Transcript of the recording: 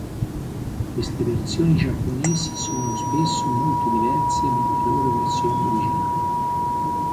Queste versioni giapponesi sono spesso molto diverse dalle loro versioni originali.